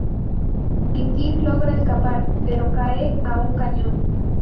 Tintín logra escapar pero cae a un cañón.